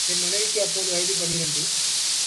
என் மனைவிக்கு அப்போது வயது பனிரண்டு .